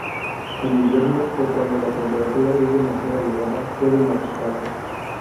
En invierno o cuando la temperatura es demasiado elevada, puede marchitarse.